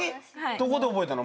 どこで覚えたの？